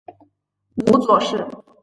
母左氏。